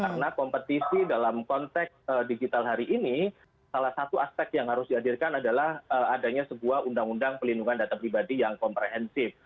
karena kompetisi dalam konteks digital hari ini salah satu aspek yang harus dihadirkan adalah adanya sebuah undang undang perlindungan data pribadi yang komprehensif